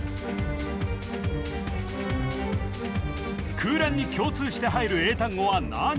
空欄に共通して入る英単語は何？